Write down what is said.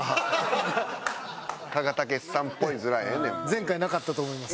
前回なかったと思います。